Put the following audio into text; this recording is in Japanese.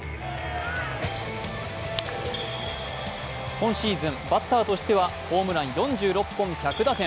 今シーズンバッターとしてはホームラン４６本１００打点。